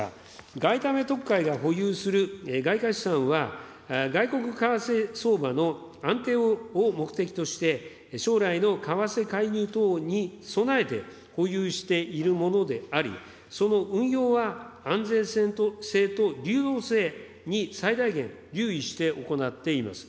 外為特会が保有する外貨資産は、外国為替相場の安定を目的として、将来の為替介入等に備えて、保有しているものであり、その運用は、安全性と流用制に最大限留意して行っています。